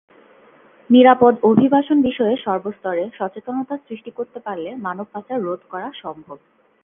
নিরাপদ অভিবাসন বিষয়ে সর্বস্তরে সচেতনতা সৃষ্টি করতে পারলে মানবপাচার রোধ করা সম্ভব।